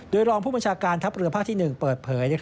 โดยรองผู้บัญชาการทัพเรือภาคที่๑เปิดเผย